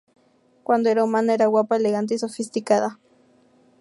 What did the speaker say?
Cuando era humana, era guapa, elegante y sofisticada.